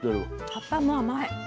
葉っぱも甘い。